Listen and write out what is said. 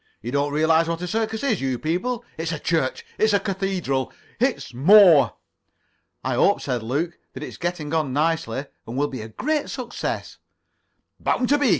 You don't realize what a circus is, you people. It's a church. It's a cathedral. It's more." "I hope," said Luke, "that it's getting on nicely, and will be a great success." "Bound to be.